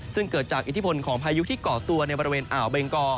ซึ่งเกิดจากอิทธิพลของพายุที่เกาะตัวในบริเวณอ่าวเบงกอ